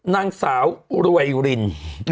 นางสาวรวยริน